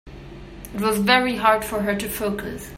It was very hard for her to focus.